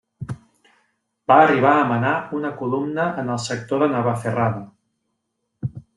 Va arribar a manar una columna en el sector de Navacerrada.